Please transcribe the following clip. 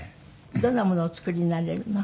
どんなものをお作りになられるの？